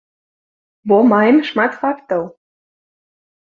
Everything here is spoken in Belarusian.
Бо маем шмат фактаў.